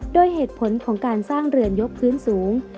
โดยเหตุผลของการสร้างเรือนยกพื้นสูง